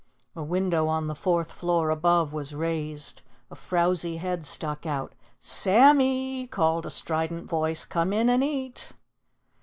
A window on the fourth floor above was raised, a frowsy head stuck out. "Sammee!" called a strident voice. "Come in and eat."